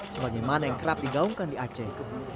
sebagaimana yang kerap digaungkan di aceh